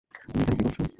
তুমি এখানে কি করছ?